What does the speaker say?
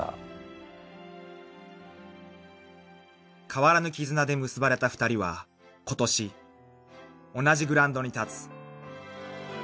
［変わらぬ絆で結ばれた２人は今年同じグラウンドに立つ］